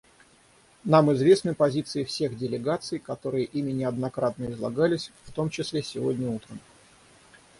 Нам известны позиции всех делегаций, которые ими неоднократно излагались, в том числе сегодня утром.